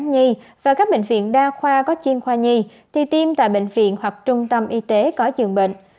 nhi và các bệnh viện đa khoa có chuyên khoa nhi thì tiêm tại bệnh viện hoặc trung tâm y tế có dường bệnh